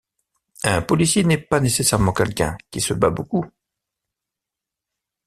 Un policier n'est pas nécessairement quelqu'un qui se bat beaucoup.